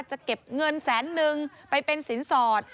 จะเก็บเงินแสนนึงไปเป็นสินสอด